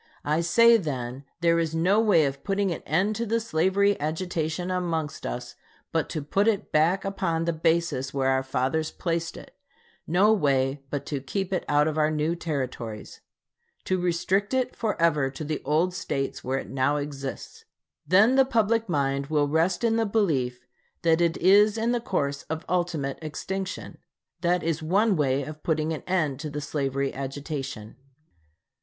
I say then there is no way of putting an end to the slavery agitation amongst us, but to put it back upon the basis where our fathers placed it, no way but to keep it out of our new Territories to restrict it forever to the old States where it now exists. Then the public mind will rest in the belief that it is in the course of ultimate extinction. That is one way of putting an end to the slavery agitation.